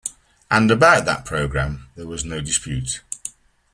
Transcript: And about that program, there was no dispute.